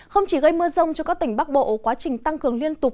không chỉ gây mưa rông cho các tỉnh bắc bộ quá trình tăng cường liên tục